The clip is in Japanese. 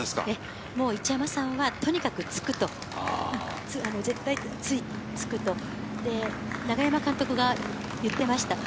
一山さんは、とにかくつく、永山監督が言ってました。